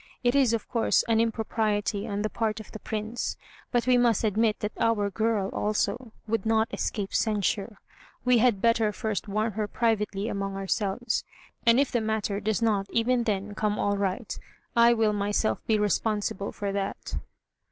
It is, of course, an impropriety on the part of the Prince, but we must admit that our girl, also, would not escape censure. We had better first warn her privately among ourselves; and if the matter does not even then come all right, I will myself be responsible for that."